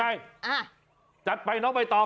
อาจารย์ไปนอตไปต่อ